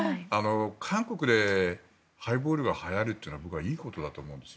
韓国でハイボールがはやるというのは僕はいいことだと思うんです。